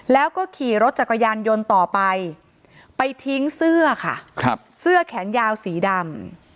แล้วก็ขี่รถจักรยานยนต์ต่อไปไปทิ้งเสื้อค่ะเสื้อแขนยาวสีดำ